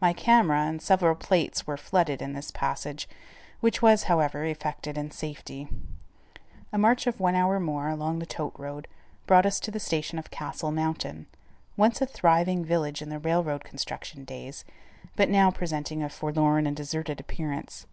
My camera and several plates were flooded in this passage, which was, however, effected in safety. A march of one hour more, along the tote road, brought us to the station of Castle Mountain, once a thriving village in the railroad construction days, but now presenting a forlorn and deserted appearance.